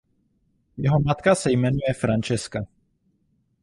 Jeho matka se jmenuje Francesca.